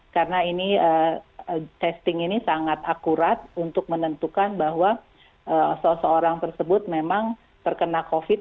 karena testing ini sangat akurat untuk menentukan bahwa seseorang tersebut memang terkena covid